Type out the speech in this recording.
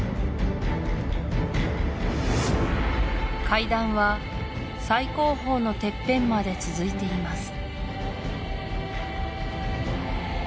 階段は最高峰のてっぺんまで続いています